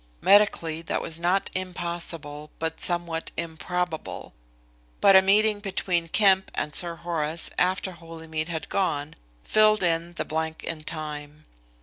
Medically that was not impossible, but somewhat improbable. But a meeting between Kemp and Sir Horace after Holymead had gone filled in the blank in time.